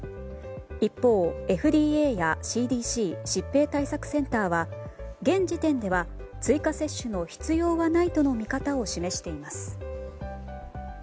一方、ＦＤＡやＣＤＣ・疾病対策センターは現時点では追加接種の必要はないとの見方を示しています。